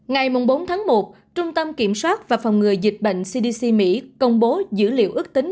ngày bốn tháng một trung tâm kiểm soát và phòng ngừa dịch bệnh cdc mỹ công bố dữ liệu ước tính